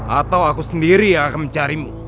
atau aku sendiri yang akan mencarimu